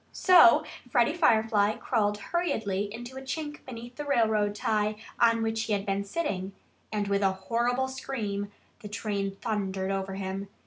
So Freddie Firefly crawled hurriedly into a chink beneath the railroad tie on which he had been sitting. And with a horrible scream the train thundered over him.